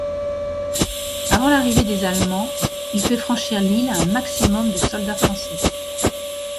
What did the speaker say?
Avant l'arrivée des allemands, il fait franchir l'Ill à un maximum de soldats français.